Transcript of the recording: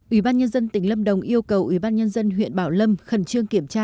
ủy ban nhân dân tỉnh lâm đồng yêu cầu ủy ban nhân dân huyện bảo lâm khẩn trương kiểm tra